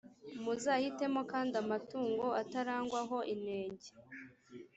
muzahitemo kandi amatungo atarangwaho inenge.